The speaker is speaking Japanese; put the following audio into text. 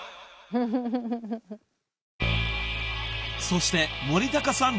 ［そして森高さん